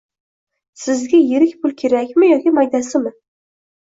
Sizga yirik pul kerakmi yoki maydasimi?